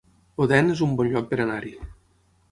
Odèn es un bon lloc per anar-hi